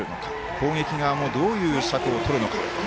攻撃側もどういう策をとるのか。